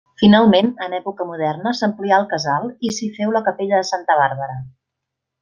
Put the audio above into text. Finalment, en època moderna, s'amplià el casal i s'hi féu la capella de Santa Bàrbara.